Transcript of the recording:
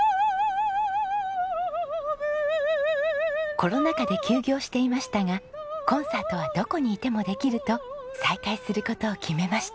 コロナ禍で休業していましたがコンサートはどこにいてもできると再開する事を決めました。